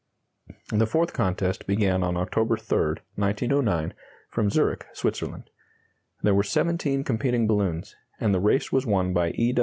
The fourth contest began on October 3, 1909, from Zurich, Switzerland. There were seventeen competing balloons, and the race was won by E.